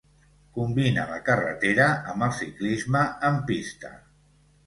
Combina la carretera amb el ciclisme en pista.